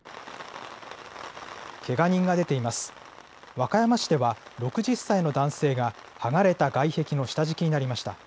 和歌山市では６０歳の男性が剥がれた外壁の下敷きになりました。